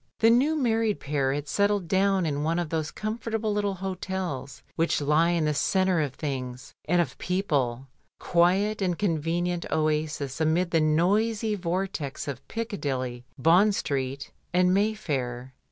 The new married pair had settled down in one of those comfortable little hotels which lie in the centre of things and of people, quiet and convenient oases amid the noisy vortex of Piccadilly, Bond Street, and Mayfair.